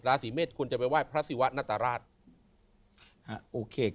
ราศิเมฆควรจะไปไหว้พระศิวะนัตรราช